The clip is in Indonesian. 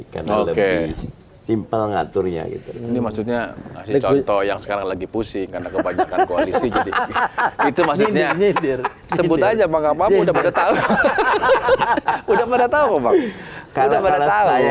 karena kita sudah ada